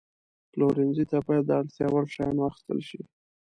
پلورنځي ته باید د اړتیا وړ شیان واخیستل شي.